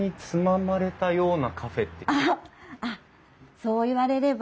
そう言われれば。